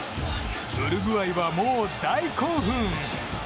ウルグアイは、もう大興奮。